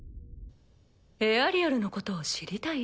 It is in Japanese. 「エアリアルのことを知りたい」？